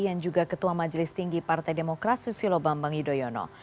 dan juga ketua majelis tinggi partai demokrat susilo bambang hidoyono